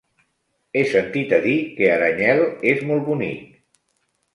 He sentit a dir que Aranyel és molt bonic.